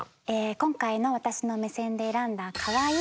今回の私の目線で選んだ「かわいい」。